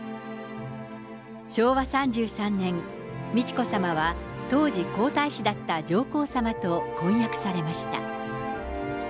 昭和３３年、美智子さまは、当時、皇太子だった上皇さまと婚約されました。